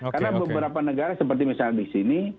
karena beberapa negara seperti misalnya di sini